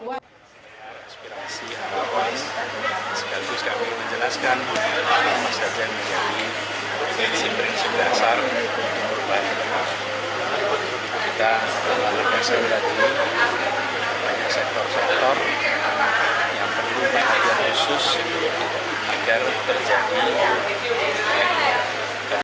anies baswedan mendengarkan aspirasi yang ditanya soal capres anies baswedan mendengarkan aspirasi yang ditanya terkait dengan sektor sektor pertanian perkebunan perikanan hingga status tanah